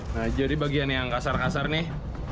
nah jadi bagian yang kasar kasar nih